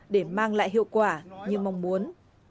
để mang lại hiệu quả như mong muốn